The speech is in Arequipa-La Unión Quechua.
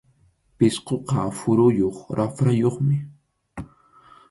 Pisquqa phuruyuq raprayuqmi.